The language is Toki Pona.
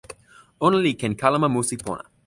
ona li ken kalama musi pona.